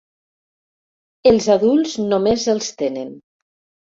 Els adults només els tenen.